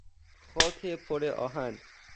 خاک پر آهن